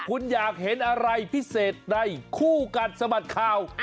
คุณอยากเห็นอะไรพิเศษในคู่กัดสะบัดข่าว